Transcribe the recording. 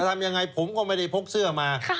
ทำยังไงผมก็ไม่ได้พกเสื้อมา